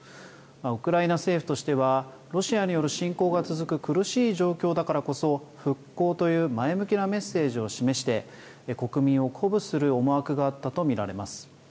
ウクライナ政府としてはロシアによる侵攻が続く苦しい状況だからこそ復興という前向きなメッセージを示して国民を鼓舞する思惑があったと見られます。